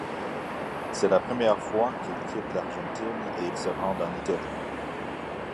C'est la première fois qu'il quitte l'Argentine et il se rend en Italie.